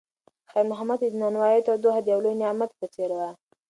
خیر محمد ته د نانوایۍ تودوخه د یو لوی نعمت په څېر وه.